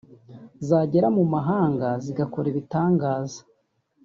zagera mu mahanga zigakora ibitangaza